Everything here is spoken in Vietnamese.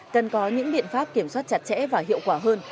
cần có những biện pháp kiểm soát chặt chẽ và hiệu quả hơn